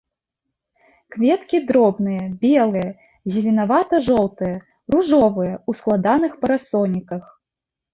Кветкі дробныя, белыя, зеленавата-жоўтыя, ружовыя, у складаных парасоніках.